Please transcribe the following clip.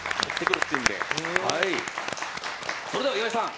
それでは、岩井さん